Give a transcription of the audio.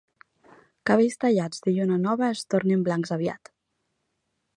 Cabells tallats de lluna nova es tornen blancs aviat.